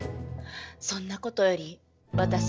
そんなことより私